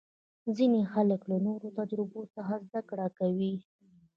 ځینې خلک له نورو تجربو څخه زده کړه کوي.